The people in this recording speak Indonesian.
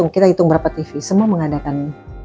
kita hitung berapa tv semua mengadakan